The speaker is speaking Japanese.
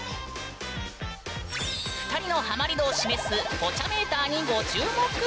２人のハマり度を示すポチャメーターにご注目。